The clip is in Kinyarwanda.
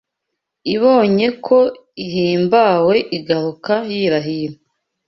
Ibonye ko ihimbawe igaruka yirahira